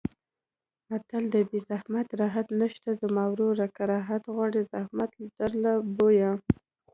متل دی: بې زحمته راحت نشته زما وروره که راحت غواړې زحمت درلره بویه.